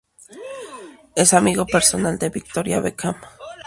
Es amigo personal de Victoria Beckham.